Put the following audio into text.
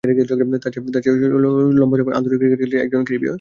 তাঁর চেয়ে লম্বা সময় আন্তর্জাতিক ক্রিকেট খেলেছেন শুধু একজন ক্যারিবীয়ই—জর্জ হেডলি।